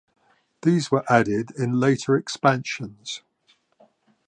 These were added in later expansions.